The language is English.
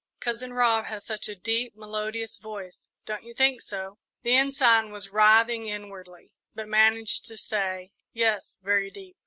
"Cousin Rob has such a deep, melodious voice, don't you think so?" The Ensign was writhing inwardly, but managed to say, "Yes; very deep."